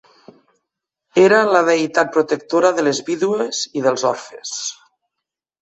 Era la deïtat protectora de les vídues i dels orfes.